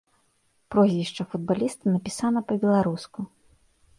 Прозвішча футбаліста напісана па-беларуску.